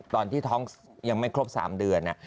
ตอนที่ท้องยังไม่ครบ๓เดือน